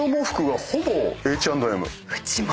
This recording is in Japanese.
うちも。